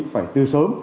phải từ sớm